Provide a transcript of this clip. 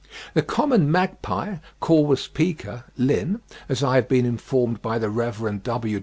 The common magpie (Corvus pica, Linn.), as I have been informed by the Rev. W.